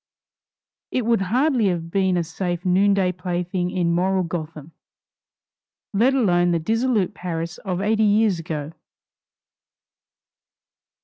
It would hardly have been a safe noonday plaything in moral Gotham, let alone the dissolute Paris of eighty years ago!